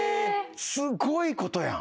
すごいことやん。